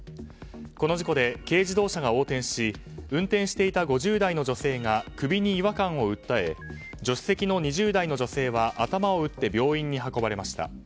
この事故で軽自動車が横転し運転していた５０代の女性が首に違和感を訴え助手席の２０代の女性は頭を打って病院に運ばれました。